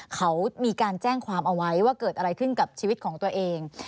เขามีการแจ้งความเอาไว้ว่าเกิดอะไรขึ้นกับชีวิตของตัวเอง